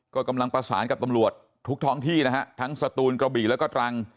ก็กำลังประสานกับตำรวจทุกท้องที่นะฮะทั้งสตูนกระบี่แล้วก็ตรัง